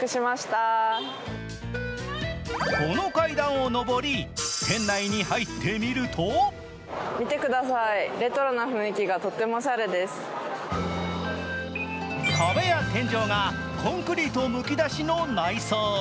この階段を上り、店内に入ってみると壁や天井がコンクリートむきだしの内装。